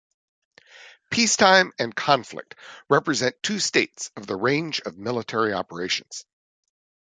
Peacetime and conflict represent two states of the range of military operations.